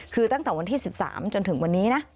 คือตั้งแต่วันที่๑๓จนถึงวันนี้นะ